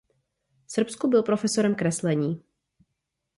V Srbsku byl profesorem kreslení.